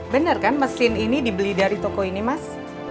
benar kan mesin ini dibeli dari toko ini mas